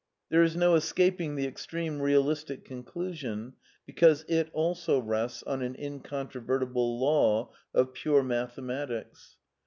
There is no escaping the extreme realistic conclusion, because it also rests on an incontrovertible law of pure mathematics.